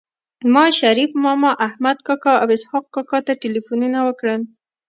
ما شريف ماما احمد کاکا او اسحق کاکا ته ټيليفونونه وکړل